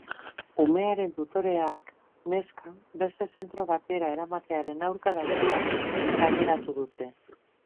Umearen tutoreak neska beste zentro batera eramatearen aurka daudela gaineratu dute.